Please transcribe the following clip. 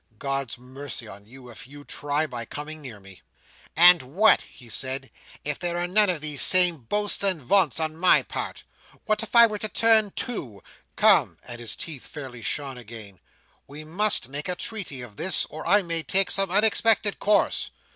"God's mercy on you, if you try by coming near me!" she replied. "And what," he said, "if there are none of these same boasts and vaunts on my part? What if I were to turn too? Come!" and his teeth fairly shone again. "We must make a treaty of this, or I may take some unexpected course.